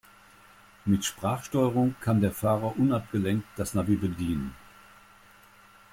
Mit Sprachsteuerung kann der Fahrer unabgelenkt das Navi bedienen.